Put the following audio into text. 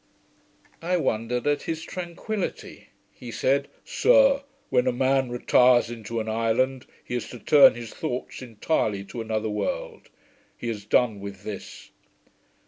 I wondered at his tranquillity. He said, 'Sir, when a man retires into an island, he is to turn his thoughts intirely to another world. He has done with this.'